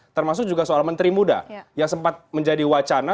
termasuk juga soal menteri muda yang sempat menjadi wacana